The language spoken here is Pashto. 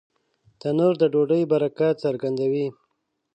تنور د ډوډۍ برکت څرګندوي